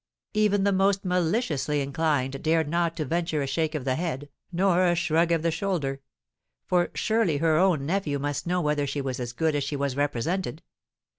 Even the most maliciously inclined dared not venture a shake of the head, nor a shrug of the shoulder; for "surely her own nephew must know whether she were as good as she was represented?